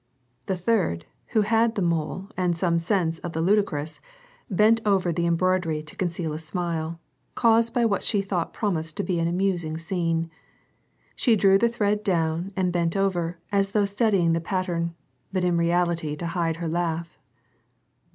The third, who had the mole and some sense of the ludicrous, bent over the embroidery to conceal a smile, caused by what she thought promised to be an amusing scene. She drew the thread down and bent over, as though studying the pattern, but in reality to hide her laugh.